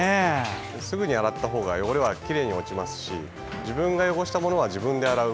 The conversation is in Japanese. すぐに洗った方が汚れは落ちますし自分が汚したものは自分で洗う。